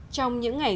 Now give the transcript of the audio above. trong những ngày